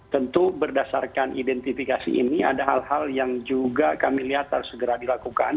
tentu berdasarkan identifikasi ini ada hal hal yang juga kami lihat harus segera dilakukan